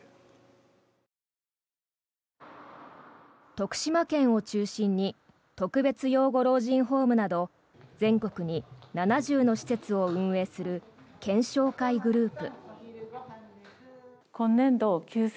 徳島県を中心に特別養護老人ホームなど全国に７０の施設を運営する健祥会グループ。